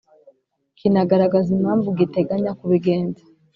kinagaragaza impamvu giteganya kubigenza